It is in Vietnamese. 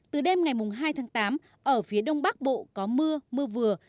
từ đêm ngày hai tháng tám ở phía đông bắc bộ có mưa mưa vừa